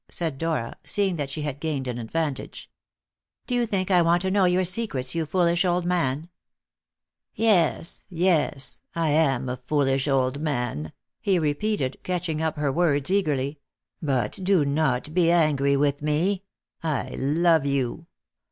said Dora, seeing that she had gained an advantage. "Do you think I want to know your secrets, you foolish old man?" "Yes, yes; I am a foolish old man," he repeated, catching up her words eagerly; "but do not be angry with me. I love you.